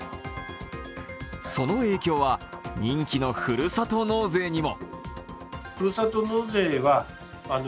その影響は人気のふるさと納税にも。